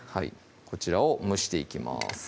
こちらを蒸していきます